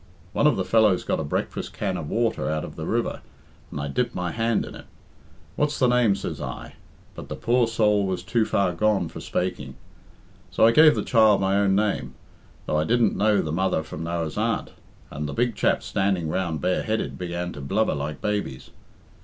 One of the fellows got a breakfast can of water out of the river, and I dipped my hand in it. 'What's the name,' says I; but the poor soul was too far gone for spaking. So I gave the child my own name, though I didn't know the mother from Noah's aunt, and the big chaps standing round bareheaded began to blubber like babies.